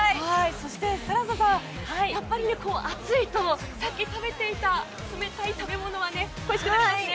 そして、新彩さん暑いと、さっき食べていた冷たい食べ物が恋しくなってきますね。